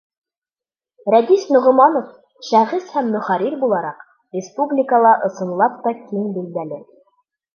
Рәдис Ноғоманов, шәхес һәм мөхәррир булараҡ, республикала, ысынлап та, киң билдәле.